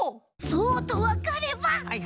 そうとわかれば。